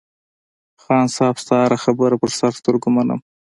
خان صاحب ستا هره خبره په سر سترگو منم.